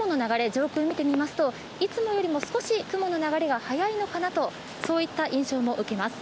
上空を見てみますといつもよりも少し雲の流れが速いのかなとそういった印象も受けます。